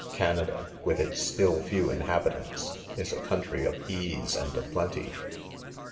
Canada, with its still few inhabitants, is a country of ease and of j>lenty.